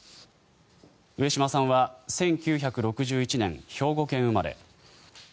上島さんは１９６１年、兵庫県生まれ。